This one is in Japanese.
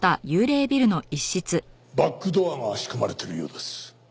バックドアが仕込まれているようです。